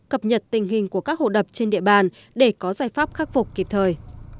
cập nhật tình hình của các hồ đập trên địa bàn để có giải pháp khắc phục kịp thời